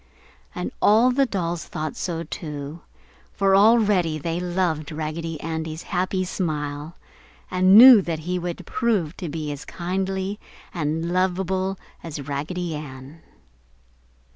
And all the dolls thought so too, for already they loved Raggedy Andy's happy smile and knew he would prove to be as kindly and lovable as Raggedy Ann.